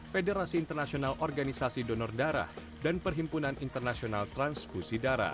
federasi internasional organisasi donor darah dan perhimpunan internasional transfusi darah